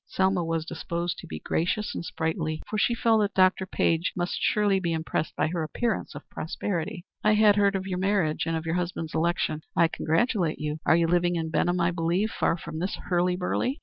Selma was disposed to be gracious and sprightly, for she felt that Dr. Page must surely be impressed by her appearance of prosperity. "I had heard of your marriage, and of your husband's election. I congratulate you. You are living in Benham, I believe, far from this hurly burly?"